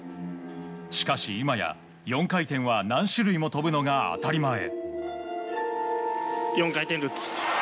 しかし、今や４回転は何種類も跳ぶのが当たり前。